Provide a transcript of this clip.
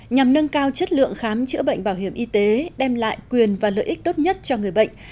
nhằm nâng cao chất lượng khám chữa bệnh bảo hiểm y tế đem lại quyền và lợi ích tốt nhất cho người bệnh